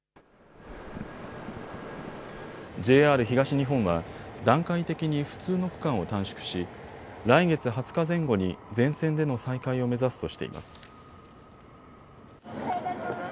ＪＲ東日本は段階的に不通の区間を短縮し来月２０日前後に全線での再開を目指すとしています。